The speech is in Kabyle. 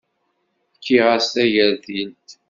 Fkiɣ-as tagertilt.